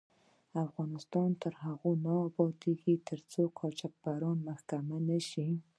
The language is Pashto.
افغانستان تر هغو نه ابادیږي، ترڅو قاچاقبران محاکمه نشي.